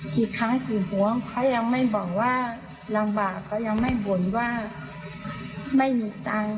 กี่ครั้งกี่หวงเขายังไม่บอกว่าลำบากเขายังไม่บ่นว่าไม่มีตังค์